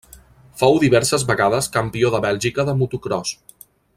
Fou diverses vegades campió de Bèlgica de motocròs.